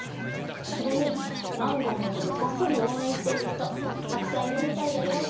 それにマンゴーのことこっそりおうえんしているひとたくさんいるみたいだよ。